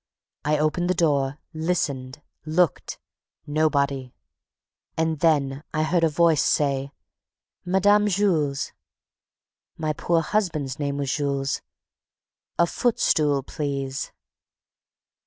I opened the door, listened, looked; nobody! And then I heard a voice say, 'Mme. Jules' my poor husband's name was Jules 'a footstool, please.'